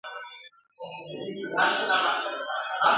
نو په ما به یې تعویذ ولي لیکلای ..